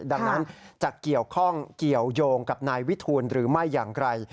ดังนั้นจะเกี่ยวข้องเกี่ยวยงกับนายวิทูลหรือไม่อย่างไร